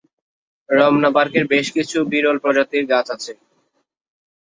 রমনা পার্কে বেশ কিছু বিরল প্রজাতির গাছ আছে।